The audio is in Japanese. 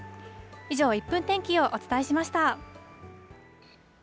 以上、１分天気をお伝えしました。